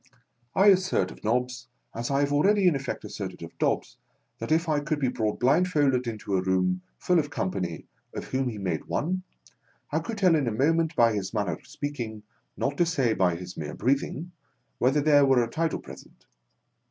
I assert of Nobbs, as I have already in effect asserted of Dobbs, that if I could be brought blindfold into a room full of company, of whom he made one, I could tell in a mo ment, by his manner of speaking, not to say by his mere breathing, whether there were a title present.